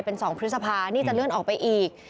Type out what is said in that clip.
เป็น๒พฤษภานี่จะเลื่อนออกไปอีก